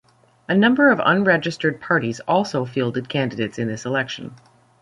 A number of unregistered parties also fielded candidates in this election.